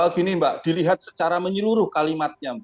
gini mbak dilihat secara menyeluruh kalimatnya